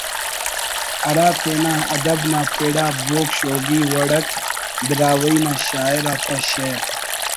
ہرا تینا ادب نا پڑ آ بوگ شوگی وڑ اٹ براہوئی نا شاعر آتا شعر